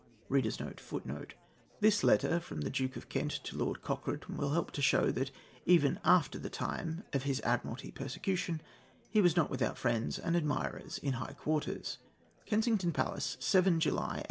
[A] [Footnote A: This letter from the Duke of Kent to Lord Cochrane will help to show that, even after the time of his Admiralty persecution, he was not without friends and admirers in high quarters:—"Kensington Palace, 7th July, 1812.